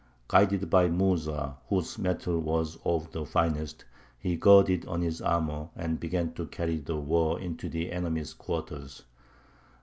Guided by Mūsa, whose mettle was of the finest, he girded on his armour, and began to carry the war into the enemy's quarters.